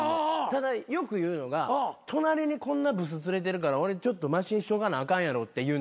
ただよく言うのが隣にこんなブス連れてるから俺ちょっとましにしとかなあかんやろって言うんですね。